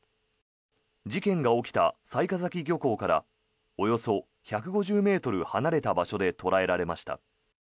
事件が起きた雑賀崎漁港からおよそ１５０ｍ離れた場所で捉えられました。